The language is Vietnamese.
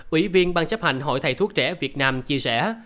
ủy viên ban chấp hành hội thầy thuốc trẻ việt nam chia sẻ